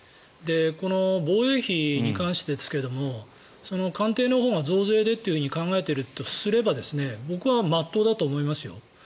この防衛費に関してですけども官邸のほうは増税でと考えているとすれば僕は真っ当だと思いますよ。